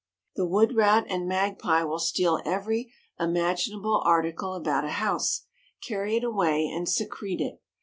The wood rat and magpie will steal every imaginable article about a house, carry it away and secrete it.